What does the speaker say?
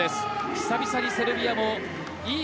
久々にセルビアもいい